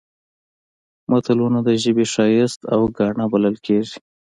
متلونه د ژبې ښایست او ګاڼه بلل کېږي